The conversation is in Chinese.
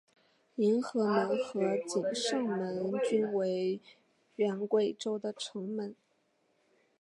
迎和门和景圣门均为原归州的城门。